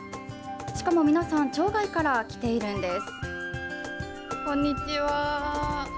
しかも、皆さん町外から来ているんです。